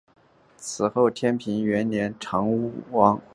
此后天平元年长屋王之变时也以式部卿身份所对应。